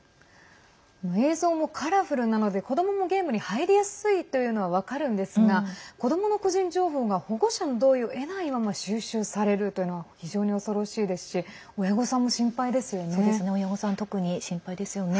映像もカラフルなので子どももゲームに入りやすいというのは分かるんですが子どもの個人情報が保護者の同意を得ないまま収集されるというのは非常に恐ろしいですし親御さんも心配ですよね。